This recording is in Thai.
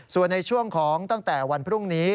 ส่วนในช่วงของตั้งแต่วันพรุ่งนี้